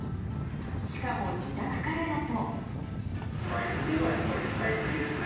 しかも自宅からだと。